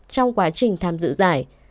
trong quá trình giải đấu